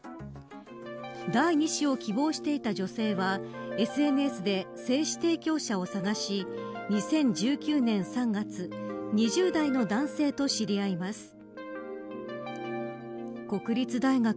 第２子を希望していた女性はＳＮＳで精子提供者を探し２０１９年３月２０代の男性と知り合います。